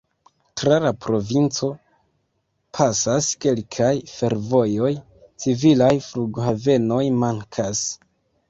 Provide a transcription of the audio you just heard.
Tra la provinco pasas kelkaj fervojoj, civilaj flughavenoj mankas.